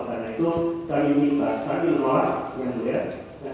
karena itu kami minta kami menolak